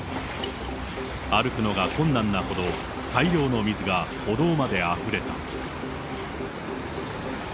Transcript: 歩くのが困難なほど大量の水が歩道まであふれた。